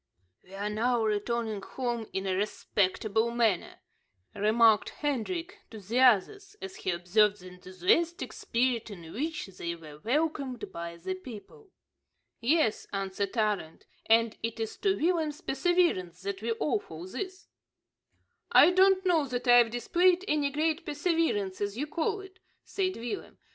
"We are now returning home in a respectable manner," remarked Hendrik to the others, as he observed the enthusiastic spirit in which they were welcomed by the people. "Yes," answered Arend, "and it is to Willem's perseverance that we owe all this." "I don't know that I've displayed any great perseverance as you call it," said Willem.